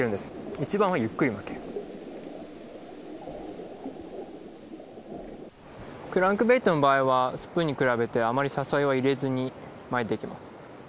いちばんはゆっくり巻けるクランクベイトの場合はスプーンに比べてあまり誘いは入れずに巻いていきます